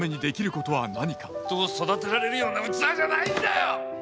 人を育てられるような器じゃないんだよ！